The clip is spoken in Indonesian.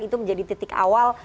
itu menjadi titik awal